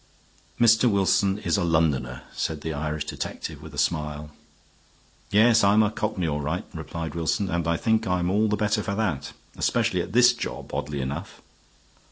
"Mr. Wilson is a Londoner," said the Irish detective, with a smile. "Yes, I'm a cockney, all right," replied Wilson, "and I think I'm all the better for that. Especially at this job, oddly enough."